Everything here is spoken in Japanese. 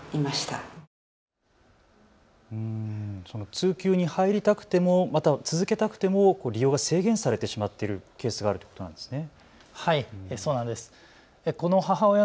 通級に入りたくても、また続けたくても利用が制限されてしまっているケースがあるということなんですね。